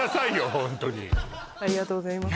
ホントにありがとうございます